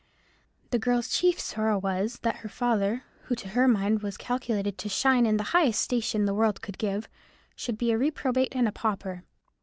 The girl's chief sorrow was, that her father, who to her mind was calculated to shine in the highest station the world could give, should be a reprobate and a pauper.